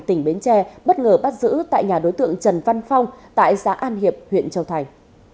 tỉnh bến tre bất ngờ bắt giữ tại nhà đối tượng trần văn phong tại xã an hiệp huyện châu thành